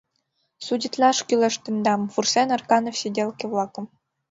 Судитлаш кӱлеш тендам! — вурсен Арканов сиделке-влакым.